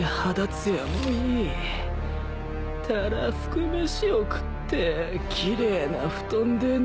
たらふく飯を食って奇麗な布団で寝てんだなぁ。